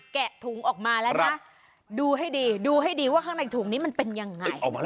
แกะถุงออกมาแล้วนะดูให้ดีดูให้ดีว่าข้างในถุงนี้มันเป็นยังไง